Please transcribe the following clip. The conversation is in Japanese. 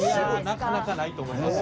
なかなかないと思いますよ。